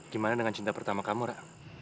gimana dengan cinta pertama kamu rak